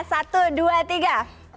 satu dua tiga